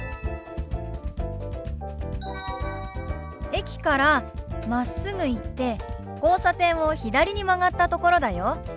駅からまっすぐ行って交差点を左に曲がったところだよ。